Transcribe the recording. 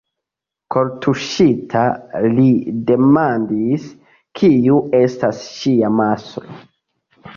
Kortuŝita, li demandis, kiu estas ŝia mastro.